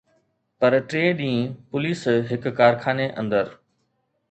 پر ٽئين ڏينهن پوليس هڪ ڪارخاني اندر